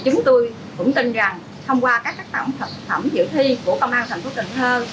chúng tôi cũng tin rằng thông qua các tác phẩm dự thi của công an thành phố cần thơ